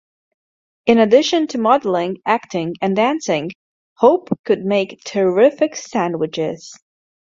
In addition to modeling, acting and dancing; Hope could make "terrific" sandwiches.